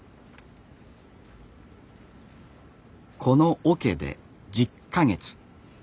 このおけで１０か月。